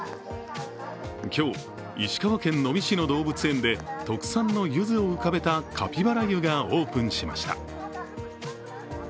今日、石川県能美市の動物園で特産のゆずを浮かべたカピバラ湯がオープンしました。